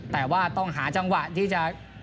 แต่ว่าต้องหาจังหวะที่จะ